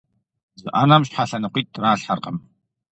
Зы Ӏэнэм щхьэ лъэныкъуитӀ тралъхьэркъым.